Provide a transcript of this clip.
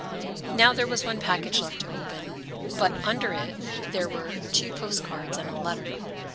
Now there was one package left to open, but under it were two post cards and a letter.